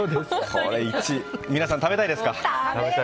これ１位、皆さん食べたいですか？